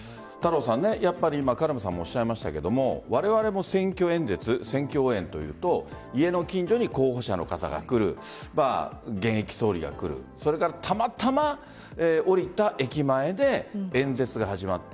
カルマさんもおっしゃいましたが選挙演説、選挙応援というと家の近所に候補者の方が来る現役総理が来るそれか、たまたま降りた駅前で演説が始まった。